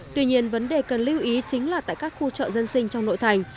tuy nhiên vấn đề cần lưu ý chính là tại các khu chợ dân sinh trong nội thành